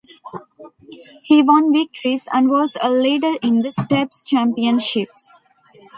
He won victories and was a leader in the steps championships.